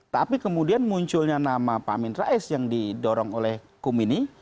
tapi kemudian munculnya nama pak amin rais yang didorong oleh kum ini